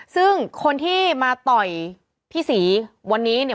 ซึ่งคนที่มาต่อยพี่ศรีวันนี้เนี่ย